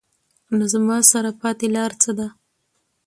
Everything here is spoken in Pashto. نو زما سره پاتې لار څۀ ده ؟